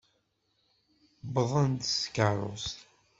Wwḍent-d s tkeṛṛust.